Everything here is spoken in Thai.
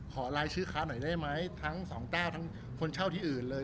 ขอลายชื่อค้าหน่อยได้ไหมทั้งสองเจ้าทั้งคนเช่าที่อื่นเลย